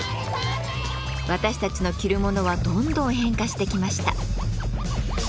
私たちの着るものはどんどん変化してきました。